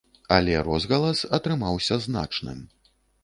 Але розгалас атрымаўся значным.